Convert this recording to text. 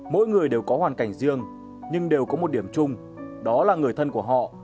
mỗi người đều có hoàn cảnh riêng nhưng đều có một điểm chung đó là người thân của họ